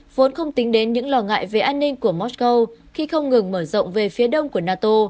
vốn không tính đến những lo ngại về an ninh của mosco khi không ngừng mở rộng về phía đông của nato